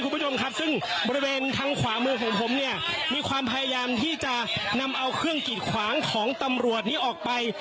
คุณผู้ชมครับซึ่งบริเวณทางขวามือของผมเนี่ยมีความพยายามที่จะนำเอาเครื่องกิดขวางของตำรวจนี้ออกไป